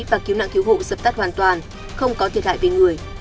và cứu nạn cứu hộ dập tắt hoàn toàn không có thiệt hại về người